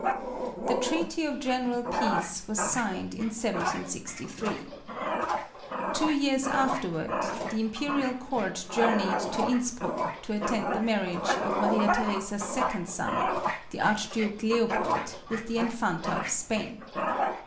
The treaty of general peace was signed in 1763. 210 MARIA THERESA. Two years afterward, the imperial court journeyed to In spruck, to attend the marriage of Maria Theresa's second son, the Archduke Leopold with the infanta of Spain.